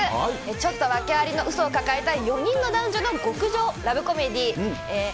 ちょっと訳ありのうそを抱えた４人の男女の極上ラブコメディ。